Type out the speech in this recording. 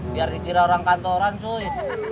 biar dikira orang kantoran sulit